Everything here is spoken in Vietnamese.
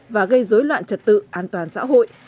và gây dối loạn trật tự an toàn xã hội